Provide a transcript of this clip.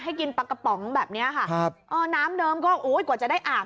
ให้กินปลั๊กกะป๋องแบบเนี่ยค่ะน้ำเดิมก็อุ๊ยกว่าจะได้อาบ